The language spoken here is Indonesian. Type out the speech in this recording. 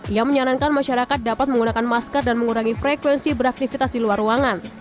ia menyarankan masyarakat dapat menggunakan masker dan mengurangi frekuensi beraktivitas di luar ruangan